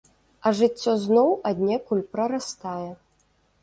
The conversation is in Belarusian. А жыццё зноў аднекуль прарастае.